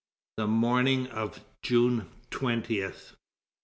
THE MORNING OF JUNE TWENTIETH.